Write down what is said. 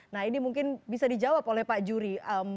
nah ini mungkin bisa dijawab oleh pak juri